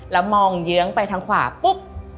แล้วมองเยื้องไปทางขวาปุ๊บ